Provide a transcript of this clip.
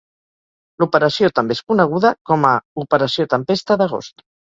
L'operació també és coneguda com a Operació Tempesta d'Agost.